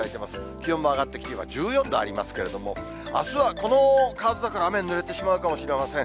気温も上がってきて、今、１４度ありますけれども、あすはこの河津桜、雨にぬれてしまうかもしれません。